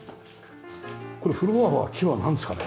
これフロアは木はなんですかね？